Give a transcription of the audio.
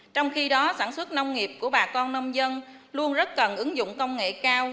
trong khi đó sản xuất nông nghiệp của bà con nông dân luôn rất cần ứng dụng công nghệ cao